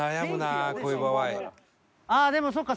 ああでもそっか。